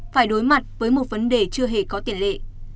phải đối mặt với một vấn đề chưa hề có tiền lệ